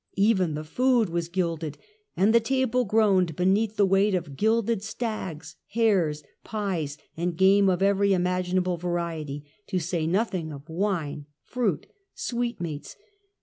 Even the food was gilded, and the table groaned be neath the weight of gilded stags, hares, pies, and game of every imaginable variety, to say nothing of wine, fruit and sweetmeats.